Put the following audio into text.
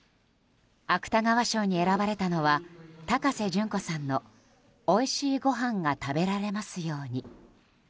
芥川賞に選ばれたのは高瀬隼子さんの「おいしいごはんが食べられますように」。